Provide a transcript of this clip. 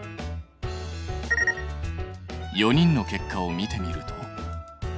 ４人の結果を見てみると。